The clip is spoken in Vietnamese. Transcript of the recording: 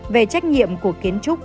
về trách nhiệm của kiến trúc